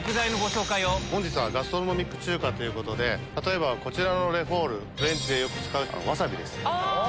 本日はガストロノミック中華ということで例えばこちらのレフォールフレンチでよく使うワサビです。